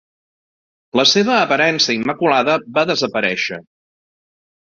La seva aparença immaculada va desaparèixer.